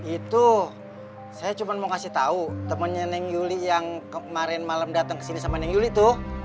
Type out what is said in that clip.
itu saya cuma mau kasih tau temennya neng yuli yang kemarin malem dateng kesini sama neng yuli tuh